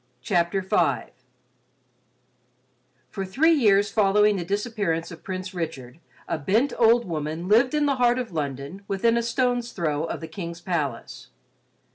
CHAPTER V For three years following the disappearance of Prince Richard, a bent old woman lived in the heart of London within a stone's throw of the King's palace.